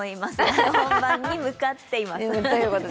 春本番に向かっています。